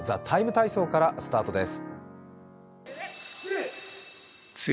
「ＴＨＥＴＩＭＥ，体操」からスタートです